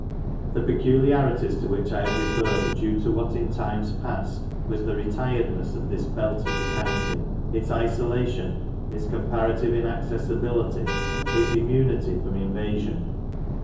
The peculiarities to which I have referred are due to what in times past was the retiredness of this belt of the county ; its isolation, its comparative inaccessibility, its immunity from invasion.